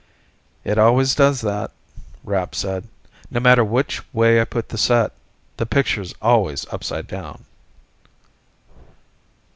"It always does that," Rapp said. "No matter which way I put the set, the picture's always upside down."